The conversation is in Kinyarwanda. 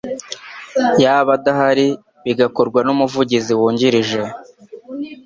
yaba adahari bigakorwa n Umuvugizi Wungirije